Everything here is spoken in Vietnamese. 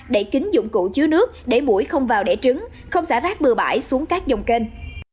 đẩy kín dụng cụ chứa nước đẩy mũi không vào đẻ trứng không xả rác bừa bãi xuống các dòng kênh